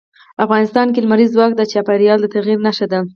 افغانستان کې لمریز ځواک د چاپېریال د تغیر نښه ده.